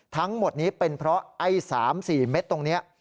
ทั้งหมดนี้เป็นเพราะไอ้๓๔เม็ดตรงนี้